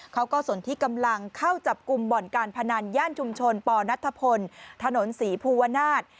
สนที่กำลังเข้าจับกลุ่มบ่อนการพนันย่านชุมชนปนัทธพลถนนศรีภูวนาศ